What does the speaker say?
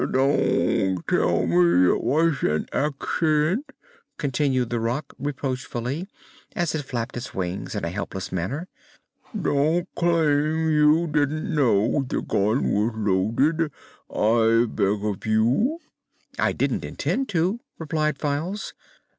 "Don't tell me it was an accident," continued the Rak, reproachfully, as it still flapped its wings in a helpless manner. "Don't claim you didn't know the gun was loaded, I beg of you!" "I don't intend to," replied Files.